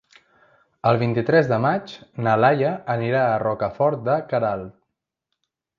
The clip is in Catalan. El vint-i-tres de maig na Laia anirà a Rocafort de Queralt.